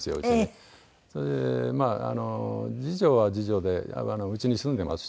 それで次女は次女でうちに住んでますし。